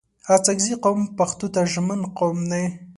اڅګزي قوم پښتو ته ژمن قوم دی